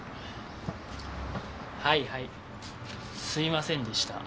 はいはいすいませんでした。